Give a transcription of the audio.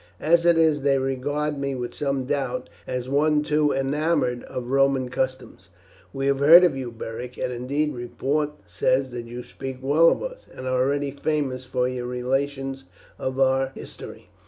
As it is, they regard me with some doubt, as one too enamoured of Roman customs." "We have heard of you, Beric, and, indeed, report says that you speak well of us, and are already famous for your relations of our history."